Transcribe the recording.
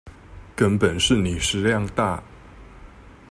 根本是你食量大